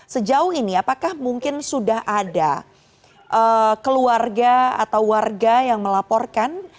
sejauh ini apakah mungkin sudah ada keluarga atau warga yang melaporkan